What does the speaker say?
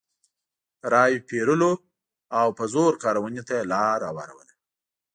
د رایو پېرلو او په زور کارونې ته یې لار هواروله.